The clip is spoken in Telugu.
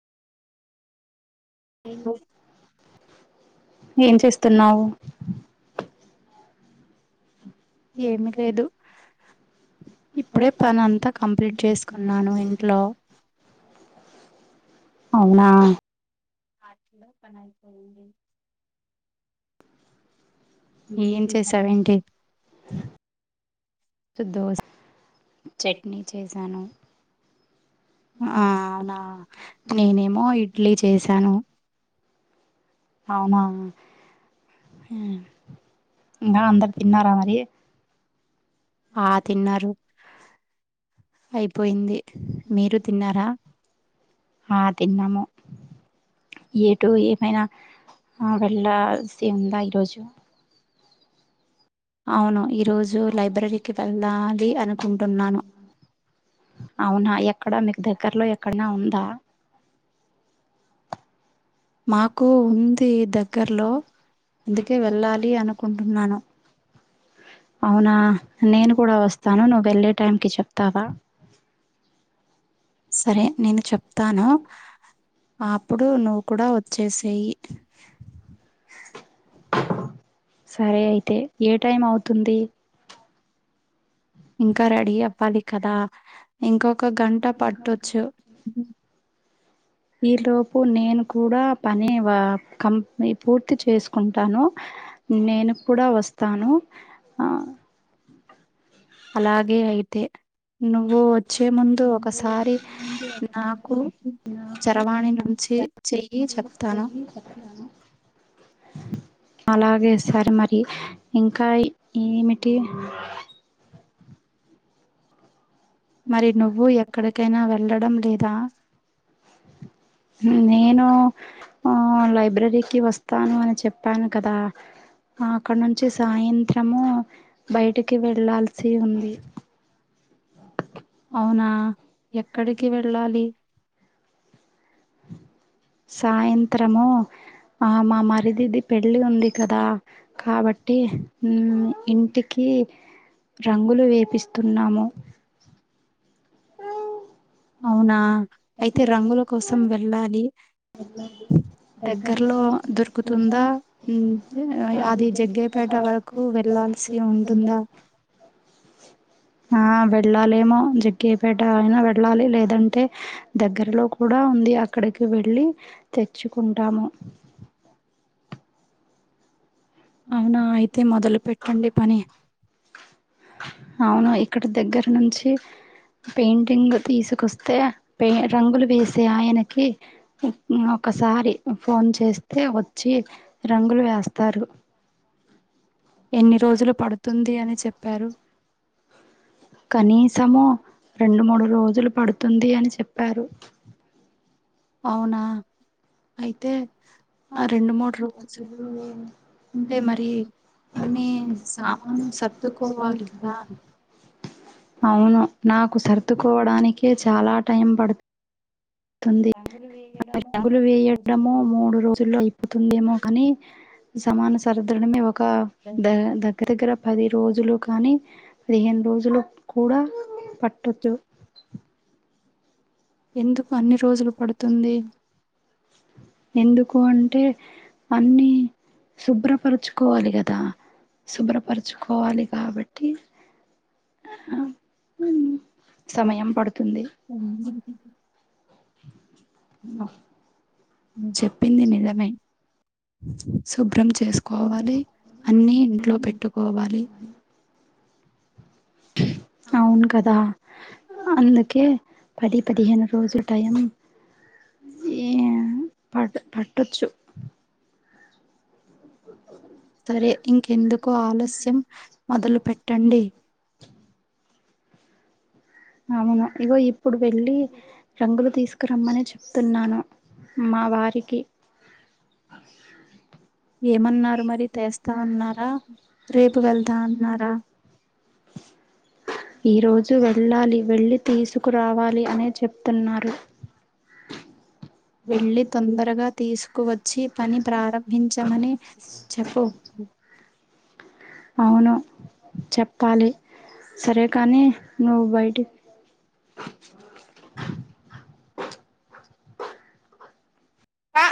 హో ఏం చేస్తున్నావ్ ఏమి లేదు ఇప్పుడే పనంతా కంప్లీట్ చేసుకున్నాను ఇంట్లో అవునా అట్లో పని అయిపోయింది ఏం చేశావ్ ఏంటి సు దోస చట్నీ చేశాను ఆ అవునా నేనేమో ఇడ్లీ చేసాను అవునా ఆ తిన్నారు అయిపోయింది మీరు తిన్నారా ఆ తిన్నాము ఏటు ఏమైనా వెళ్ళల్సి ఉందా ఈరోజు అవును ఇర్ రోజు లైబ్రరీకి వెళ్ళాలి అనుకుంటున్నాను అక్కడ మీకు దగ్గరలో ఎక్కడనా ఉందా మాకు ఉంది దగ్గర్ లో అందుకే వెళ్ళాలి అనుకుంటున్నాను అవునా నేను కూడా వస్తాను నువ్వు వెళ్ళే టైంకి చెప్తావా సరే నేను చెప్తాను అప్పుడు నువ్వు కూడా వచ్చేసేయి సరే అయితే ఏ టైం అవుతుంది ఇంకా రెడీ అవ్వాలి కదా ఇంకొ ఒక గంట పట్టొచ్చు ఈ తోపు నేను కూడా పనే వా కం మీ పూర్తి చేసుకుంటాను నేను కూడా వస్తాను ఆ అలాగే అయితే నువ్వు వచ్చే ముందు ఒకసారి నాకు చరవాణి నుంచి చెయ్యి చెప్తాను అలాగే సార్ మరి ఇంకా ఏమిటి మరి నువ్వు ఎక్కడికైనా వెళ్ళడం లేదా ఆ ఆ లైబ్రరీకి వస్తాను అని చెప్పాను కదా ఆ అక్కడ నుంచి సాయంత్రము బయటికి వెళ్లాల్సి ఉంది అవునా ఎక్కడికి వెళ్ళాలి సాయంత్రము మా మరిదిది పెళ్ళి ఉంది కదా కాబట్టి ఉ ఇంటికి రంగులు వేపిస్తున్నాము అవునా అయితే రంగుల కోసం వెళ్ళాలి ఆ వెట్ వెళ్ళాలేమో జగ్గేయ్యపేట అయినా వెళ్ళాలి లేదంటే దగ్గరలో కూడా ఉంది అక్కడికి వెట్ వెళ్లి తెచ్చుకుంటాము అవునా అయితే మొదలు పెట్టండి పని అవును ఇక్కడి దగ్గర నుంచి పెయింటింగ్ తీసుకొస్తే పెయి రంగులు వేసే ఆయనకి ఒకసారి ఫోన్ చేస్తే వచ్చి రంగులు వేస్తారు ఎన్ని రోజులు పడుతుంది అని చెప్పారు కనీసము రెండు మూడు రోజులు పడుతుంది అని చెప్పారు అవునా అయితే ఆ రెండు మూట్ల పిల్లు ఉంటే మరి సామాన్యం తట్టుకోవారు [unintelligible] అవును నాకు సర్దుకోవడానికే చాలా టైం పడు తుంది రంగులు వేయడము మూడు రోజుల్లో అయిపోతుందేమో కాని సమాను సర్థడమే ఒక ఒక ద దగ్గర దగ్గర పది రోజులు కానీ పదిహేను రోజులు కూడా పట్టొచ్చు ఎందుకు అన్ని రోజులు పడుతుంది ఎందుకు అంటే అన్ని శుభ్రపరచు కోవాలి కదా శుభ్రపరచుకోవాలి కాబట్టి ఆ అ [unintelligible] నువు చెప్పింది నిజమే శుభ్రం చేసుకోవాలి అన్నీ ఇంట్లో పెట్టుకోవాలి అవును కదా అందుకే పది పదిహేను రోజులు టైం అ పడ పట్టొచ్చు సరే ఇంకెందుకు ఆలస్యం మొదలు పెట్టండి అవును ఇగో ఇప్పుడు వెళ్ళి రంగులు తీసుకురమ్మని చెప్తున్నాను మా వారికి ఏమన్నారు మరి తెస్తా అన్నారా రేపు వెళ్తా అన్నారా ఈ రోజు ి వెళ్ళి తీసుకురావాలి అనే చెప్తున్నారు వెళ్ళి తొందరగా తీసుకువచ్చి పని ప్రారంభించమని చెప్పు అవును చెప్పాలి సరే కానీ నువ్వు బయటికి